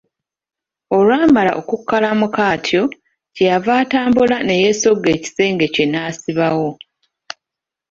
Olwamala okukaalamuka atyo, kye yava atambula ne yesogga ekisenge kye n'asibawo.